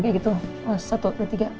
awas satu dua tiga